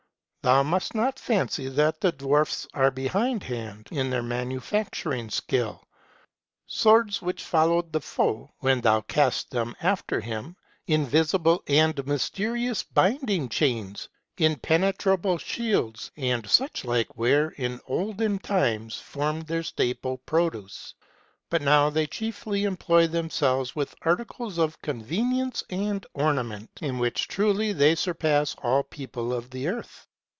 Thou must not fancy that the dwarfs are behindhand in their manufacturing skill. Swords which followed the foe, when you cast them after him ; invisible and mysteriously binding chains ; impenetrable shields, and such like ware, in old times, ŌĆö formed their staple produce. But now they chiefly employ themselves with articles of convenience and orna ment, in which truly they surpass all people of the earth.